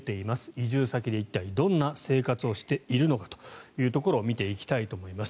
移住先で一体、どんな生活をしているのかというところを見ていきたいと思います。